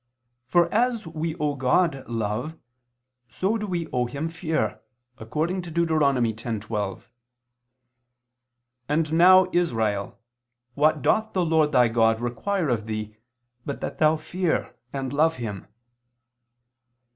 For as we owe God love, so do we owe Him fear, according Deut. 10:12: "And now Israel, what doth the Lord thy God require of thee, but that thou fear ... and love Him?"